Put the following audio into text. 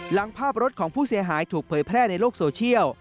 หลังภาพรถของผู้เสียหายถูกเผยแพร่ในโลกโซเชียล